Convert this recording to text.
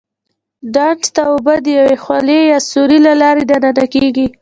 ډنډ ته اوبه د یوې خولې یا سوري له لارې دننه کېږي.